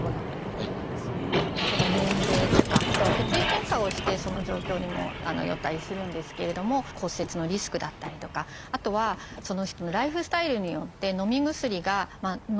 年齢とかあとは血液検査をしてその状況にもよったりするんですけれども骨折のリスクだったりとかあとはその人のライフスタイルによってのみ薬がのめない人。